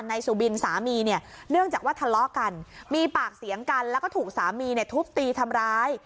นายสุบินสามีเนี่ยเนื่องจากว่าทะเลาะกันมีปากเสียงกันแล้วก็ถูกสามีเนี่ยทุบตีทำร้าย